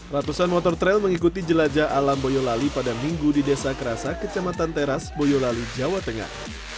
ratusan motor trail mengikuti jelajah alam boyolali pada minggu di desa kerasa kecamatan teras boyolali jawa tengah